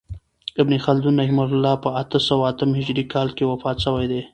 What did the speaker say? ابن خلدون رحمة الله په اته سوه اتم هجري کال کښي وفات سوی دئ.